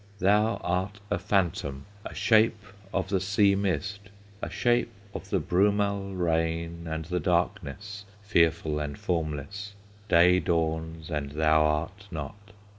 "Thou art a phantom, A shape of the sea mist, A shape of the brumal Rain, and the darkness Fearful and formless; Day dawns and thou art not!